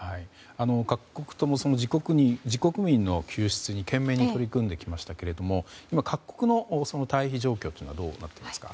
各国とも自国民の救出に懸命に取り組んできましたけど今、各国の退避状況というのはどうなっていますか？